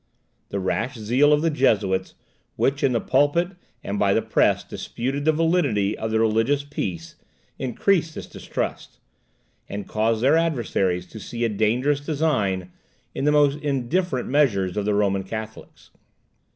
The rash zeal of the Jesuits, which in the pulpit and by the press disputed the validity of the religious peace, increased this distrust, and caused their adversaries to see a dangerous design in the most indifferent measures of the Roman Catholics.